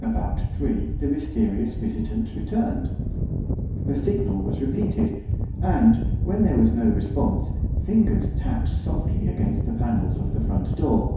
About three the mysterious visitant returned. The signal was repeated, and, when there was no response, fingers tapped softly against the panels of the front door.